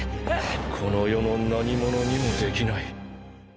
この世の何者にもできない。